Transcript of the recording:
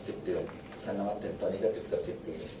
ศพแรก๑๐เดือนชาญวัตเต็มตอนนี้ก็เกือบ๑๐ปี